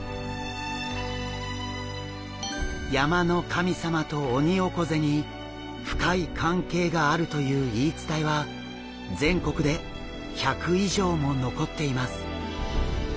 山の神様とオニオコゼに深い関係があるという言い伝えは全国で１００以上も残っています。